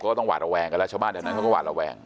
ก็ต้องหวาดระแวงกันแล้วชาวบ้านแถวนั้นเขาก็หวาดระแวง